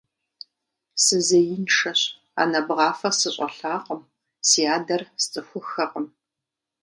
Сызеиншэщ, анэ бгъафэ сыщӀэлъакъым, си адэр сцӀыхуххэкъым.